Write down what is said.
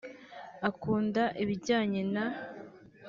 Akunda ibijyanye n